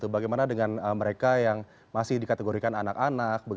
bagaimana dengan mereka yang masih dikategorikan anak anak